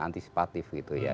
antisipatif gitu ya